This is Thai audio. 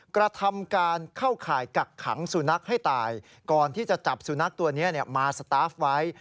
กระทำการเข้าข่ายกักขังสุนัขให้ตายก่อนที่จะจับสุนัขตัวนี้มาสตาฟไว้